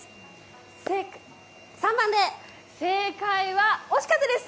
３番で、正解は、惜しかったです